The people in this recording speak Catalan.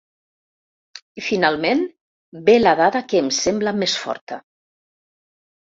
I finalment ve la dada que em sembla més forta.